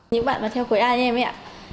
những bạn mà theo khối a như em ấy ạ